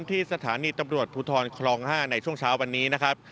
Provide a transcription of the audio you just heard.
ที่สถานีตำรวจภูทรคลอง๕ในช่วงเช้าวันนี้นะครับ